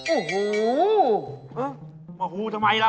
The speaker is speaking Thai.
อุ้หูมาอุ้หูทำไมล่ะ